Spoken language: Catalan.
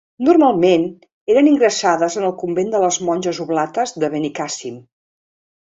Normalment eren ingressades en el convent de les monges oblates de Benicàssim.